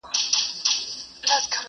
o د خپل کور پير سړي ته نه معلومېږي!